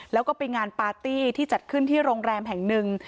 แล้วก็ไปงานปาร์ตี้ที่จัดขึ้นที่โรงแรมแห่งหนึ่ง